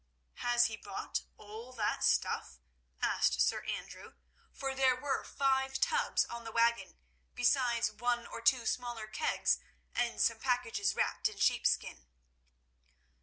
"Has he bought all that stuff?" asked Sir Andrew—for there were five tubs on the wagon, besides one or two smaller kegs and some packages wrapped in sheepskin.